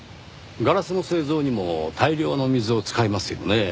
ガラスの製造にも大量の水を使いますよねぇ。